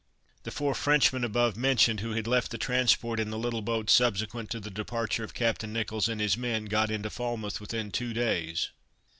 The four Frenchmen above mentioned, who had left the transport in the little boat subsequent to the departure of Captain Nicholls and his men, got into Falmouth within two days.